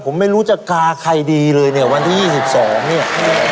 ผมไม่รู้จะกาใครดีเลยเนี่ยวันที่๒๒เนี่ย